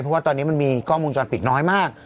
เพราะว่าตอนนี้มันมีกล้องวงจรปิดน้อยมาก